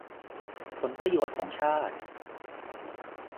ผลประโยชน์ของชาติ